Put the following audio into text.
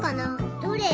どれ？